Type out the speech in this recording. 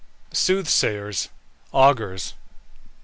SOOTHSAYERS (AUGURS).